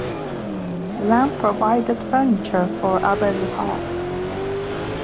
Lamb provided furniture for Abberley Hall.